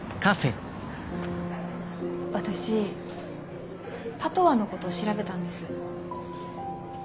私パトワのこと調べたんです。